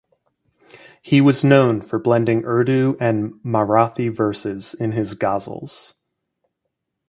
He was known for blending Urdu and Marathi verses in his ghazals.